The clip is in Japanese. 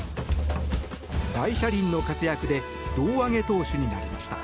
大車輪の活躍で胴上げ投手になりました。